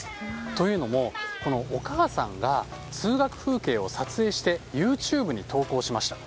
というのも、お母さんが通学風景を撮影してＹｏｕＴｕｂｅに登校しました。